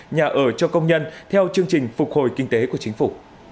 nhà ở cho công nhân theo chương trình phục hồi kinh tế của chính phủ